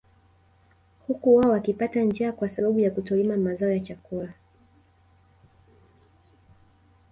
Huku wao wakipata njaa kwa sababu ya kutolima mazao ya chakula